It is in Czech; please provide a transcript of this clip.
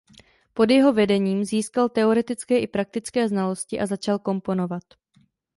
Pod jeho vedením získal teoretické i praktické znalosti a začal komponovat.